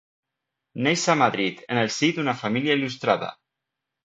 Neix a Madrid, en el si d'una família il·lustrada.